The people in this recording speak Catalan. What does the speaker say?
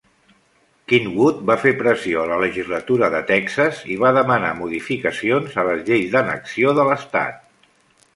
Kingwood va fer pressió a la legislatura de Texas i va demanar modificacions a les lleis d'annexió de l'estat.